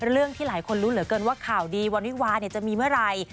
เรื่องที่หลายคนรู้เหลือเกินว่าข่าวดีวันวิวาจะมีเมื่อไหร่